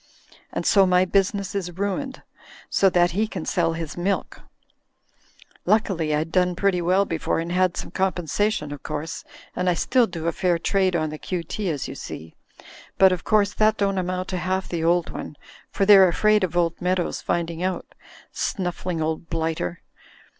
And so my business is ruined so that he can sell his milk. Luckily I'd done pretty well before and had some com THE REPUBLIC OF PEACEWAYS 231 pensation, of course ; and I still do a fair trade on the Q.T., as you see. But of course that don't amount to half the old one, for they're afraid of old Meadows finding out. Snuffling old blighter!"